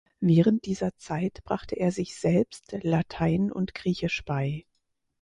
Während dieser Zeit brachte er sich selbst Latein und Griechisch bei.